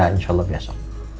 insya allah besok